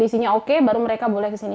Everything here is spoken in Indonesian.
isinya oke baru mereka boleh kesini